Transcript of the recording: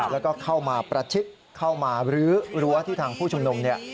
แล้วก็เข้ามาประชิดเข้ามารื้อรั้วที่ทางผู้ชุมนุมเนี่ย